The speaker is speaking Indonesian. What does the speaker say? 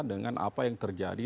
dengan apa yang terjadi